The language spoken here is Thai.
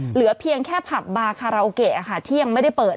เหลือเพียงแค่ผับบาคาราโอเกะค่ะที่ยังไม่ได้เปิด